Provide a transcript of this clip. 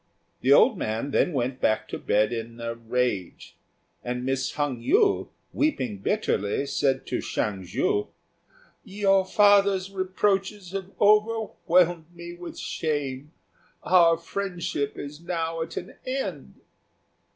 The old man then went back to bed in a rage, and Miss Hung yü, weeping bitterly, said to Hsiang ju, "Your father's reproaches have overwhelmed me with shame. Our friendship is now at an end."